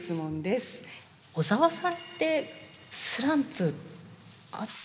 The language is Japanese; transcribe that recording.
小澤さんってスランプあった？